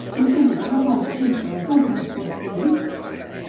És segur agafar els ascensors del transport públic?